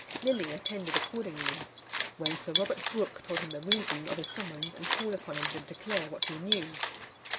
Lilly attended accordingly, when Sir Robert Brook told him the reason of his summons, and called upon him to declare what he knew.